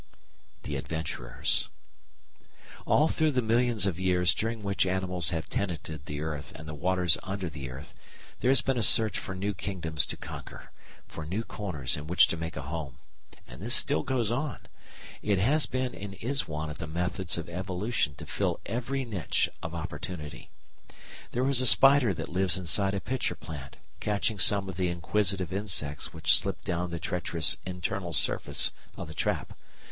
§ 3 The Adventurers All through the millions of years during which animals have tenanted the earth and the waters under the earth, there has been a search for new kingdoms to conquer, for new corners in which to make a home. And this still goes on. It has been and is one of the methods of evolution to fill every niche of opportunity. There is a spider that lives inside a pitcher plant, catching some of the inquisitive insects which slip down the treacherous internal surface of the trap.